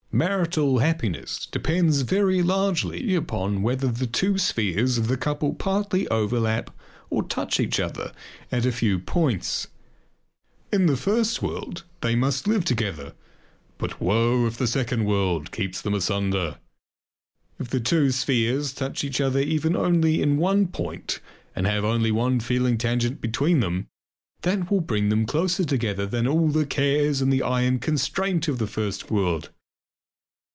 Marital happiness depends very largely upon whether the two spheres of the couple partly overlap or touch each other at a few points. In the first world they must live together. But woe if the second world keeps them asunder! If the two spheres touch each other even only in one point and have only one feeling tangent between them, that will bring them closer together than all the cares and the iron constraint of the first world.